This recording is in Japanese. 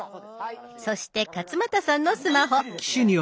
そして勝俣さんのスマホ。